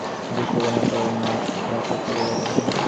দুধ শুকানোর পর, ব্যাথা চলে যাবে।